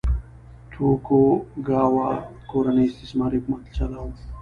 توکوګاوا کورنۍ استثماري حکومت چلاوه.